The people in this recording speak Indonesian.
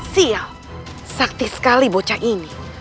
siap sakti sekali bocah ini